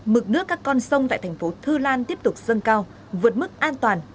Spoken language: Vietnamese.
mực nước các con sông tại thành phố thư lan tiếp tục dâng cao vượt mức an toàn